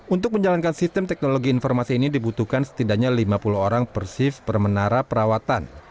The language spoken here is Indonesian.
untuk menjalankan sistem teknologi informasi ini dibutuhkan setidaknya lima puluh orang per shift per menara perawatan